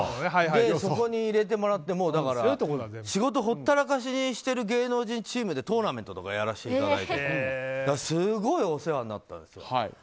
そこに入れてもらって仕事ほったらかしにしてる芸能人チームでトーナメントとかやらせていただいてすごいお世話になったんですよ。